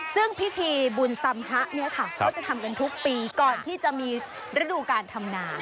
ซึ่งพิธีบุญสำคะนี้ค่ะจะทำกันทุกปีก่อนที่จะมีระดูการธรรมนา